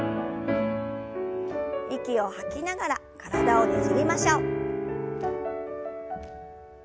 息を吐きながら体をねじりましょう。